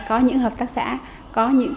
có những hợp tác xã có những